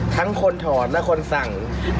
ทั้งคนถอนและคนสั่ง